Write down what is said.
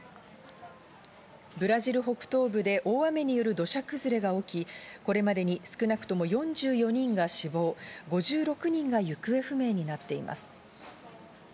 ブラジル北東部で大雨による土砂崩れが起き、これまでに少なくとも４４人が死亡、５６人が行方不明になっています。